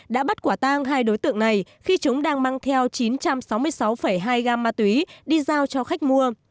đã bắt quả tang hai đối tượng này khi chúng đang mang theo chín trăm sáu mươi sáu hai gam ma túy đi giao cho khách mua